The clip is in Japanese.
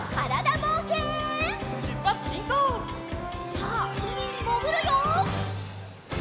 さあうみにもぐるよ！